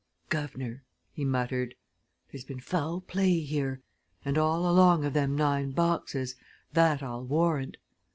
"Guv'nor!" he muttered. "There's been foul play here and all along of them nine boxes that I'll warrant.